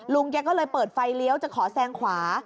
แกก็เลยเปิดไฟเลี้ยวจะขอแซงขวา